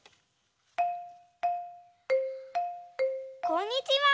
こんにちは。